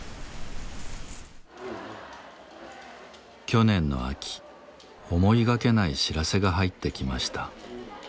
去年の秋思いがけない知らせが入ってきました。